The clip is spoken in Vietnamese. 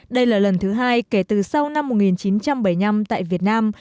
đây là lần thứ hai kể từ sau năm một nghìn chín trăm bảy mươi năm tại việt nam